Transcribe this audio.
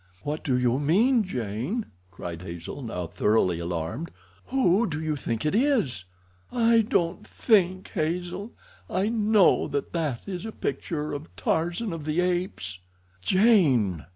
"What do you mean, Jane?" cried Hazel, now thoroughly alarmed. "Who do you think it is?" "I don't think, Hazel. I know that that is a picture of Tarzan of the Apes." "Jane!"